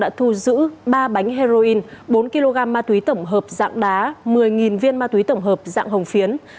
đã thu giữ ba bánh heroin bốn kg ma túy tổng hợp dạng đá một mươi viên ma túy tổng hợp dạng hồng phiến